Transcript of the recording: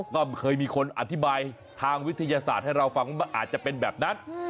ก็เคยมีคนอธิบายทางวิทยาศาสตร์ให้เราฟังว่าอาจจะเป็นแบบนั้น